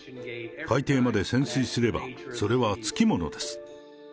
海底まで潜水すればそれはつきものです。